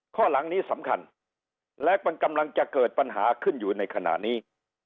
ข้อหลังนี้สำคัญและมันกำลังจะเกิดปัญหาขึ้นอยู่ในขณะนี้